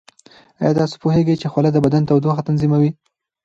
ایا تاسو پوهیږئ چې خوله د بدن تودوخه تنظیموي؟